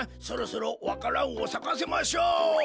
そろそろわか蘭をさかせましょう。